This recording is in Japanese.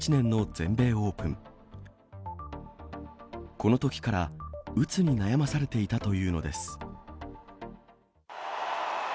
このときから、うつに悩まされていたというのです。